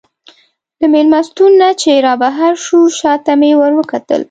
له مېلمستون نه چې رابهر شوو، شا ته مې وروکتل.